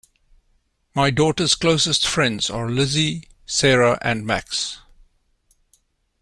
My daughter's closest friends are Lizzie, Sarah and Max.